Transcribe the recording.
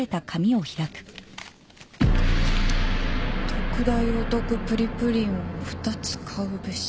「特大お得プリプリンを二つ買うべし」